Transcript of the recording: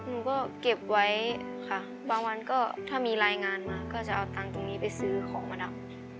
หนูก็เก็บไว้ค่ะบางวันก็ถ้ามีรายงานมาก็จะเอาตังค์ตรงนี้ไปซื้อของมาดับ